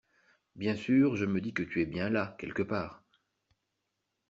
Bien sûr je me dis que tu es bien là, quelque part.